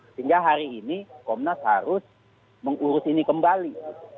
sehingga hari ini komnas harus mengurus ini kembali